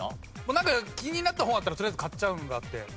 気になった本があったらとりあえず買っちゃうのがあって。